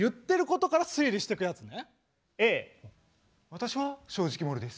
「私は正直者です」。